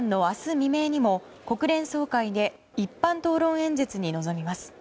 未明にも国連総会での一般討論演説に臨みます。